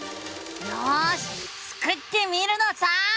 よしスクってみるのさ！